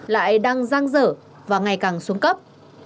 lại đang giang dở và ngày càng xuống cấp